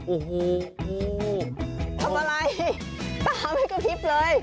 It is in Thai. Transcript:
โอ้โหทำอะไรตาไม่กระพริบเลย